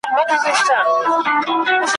ښکاري زرکي ته اجل کړی کمین وو ,